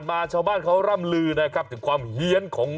โอ้โหโอ้โหโอ้โหโอ้โหโอ้โห